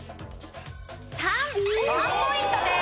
３。３ポイントです。